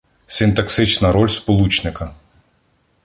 Синтаксична роль сполучника